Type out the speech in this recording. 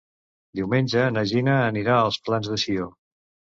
Diumenge na Gina anirà als Plans de Sió.